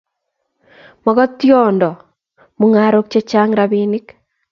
Mako tindo mungarok che chang rapinik